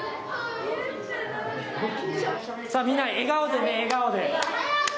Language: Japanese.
さあみんな笑顔でね笑顔で。